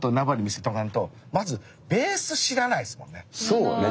そうね。